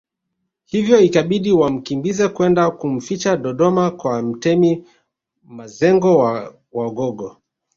Hivyo ikabidi wamkimbize kwenda kumficha Dodoma kwa Mtemi Mazengo wa Wagogo